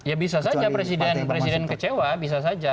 ya bisa saja presiden presiden kecewa bisa saja